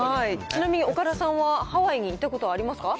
ちなみに岡田さんは、ハワイに行ったことありますか？